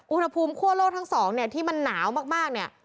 อุณหภูมิคั่วโลกทั้งสองเนี่ยที่มันหนาวมากเนี่ย